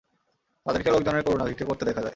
তাদেরকে লোকজনের করুণা ভিক্ষা করতে দেখা যায়।